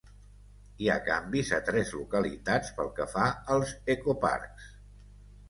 Hi ha canvis a tres localitats pel que fa als ecoparcs.